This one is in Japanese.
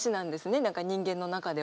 何か人間の中では。